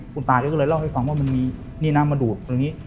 คุณตาแกก็เลยเล่าให้ฟังว่ามันมีนี่นะมาดูดตรงนี้